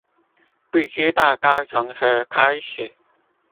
不知道該從何開始